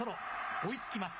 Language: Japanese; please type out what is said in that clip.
追いつきます。